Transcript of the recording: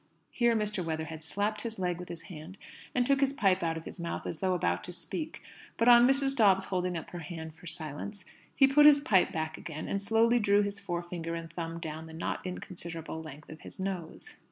Here Mr. Weatherhead slapped his leg with his hand, and took his pipe out of his mouth as though about to speak; but on Mrs. Dobbs holding up her hand for silence, he put his pipe back again, and slowly drew his forefinger and thumb down the not inconsiderable length of his nose.